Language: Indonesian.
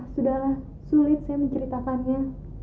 sudahlah sulit saya menceritakannya